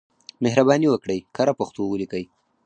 مهرباني وکړئ کره پښتو ولیکئ.